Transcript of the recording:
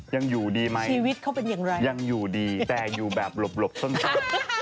ยังอยู่ดีไหมยังอยู่ดีแต่อยู่แบบหลบส้นตัดยังอยู่ดีแต่อยู่แบบหลบส้นตัด